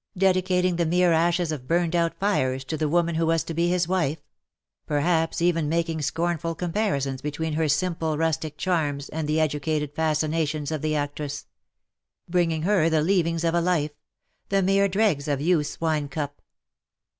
— dedicating the mere ashes of burned out fires to the woman who was to be his wife ; perhaps even making scornful comparisons between her simple rustic charms and the educated fascinations of the actress ; bringing her the leavings of a life — the mere dregs of youth^s wine cup